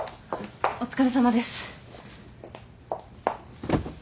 お疲れさまです。